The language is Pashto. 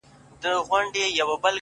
ما په لفظو کي بند پر بند ونغاړه _